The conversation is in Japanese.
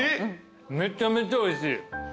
めちゃめちゃおいしい。